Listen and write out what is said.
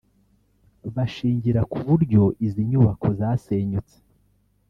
bashingira ku buryo izi nyubako zasenyutse